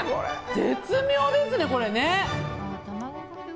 絶妙ですね、これね。